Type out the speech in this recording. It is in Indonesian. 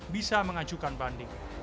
bisa mengajukan banding